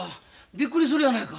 びっくりするやないか。